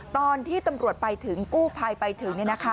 ตอนที่ตำรวจไปถึงกู้ภัยไปถึง